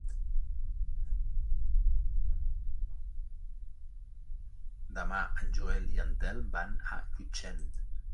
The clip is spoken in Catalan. Demà en Joel i en Telm van a Llutxent.